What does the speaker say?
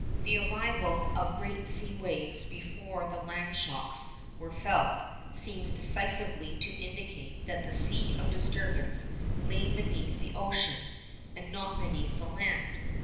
The arrival of great sea waves before the land shocks were felt, seems decisively to indicate that the seat of disturbance lay beneath the ocean, and not beneath the land.